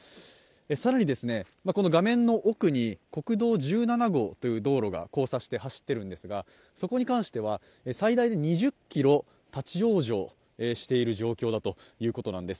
更に画面の奥に国道１７号という道路が交差して走っているんですがそこに関しては最大で２０ｋｍ、立往生している状況だということです。